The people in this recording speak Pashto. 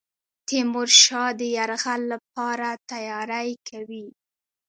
تیمورشاه د یرغل لپاره تیاری کوي.